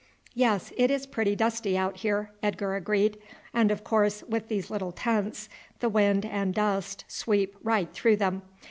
"Yes, it is pretty dusty out here," Edgar agreed; "and of course, with these little tents, the wind and dust sweep right through them.